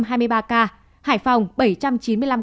hải phòng bảy trăm chín mươi năm ca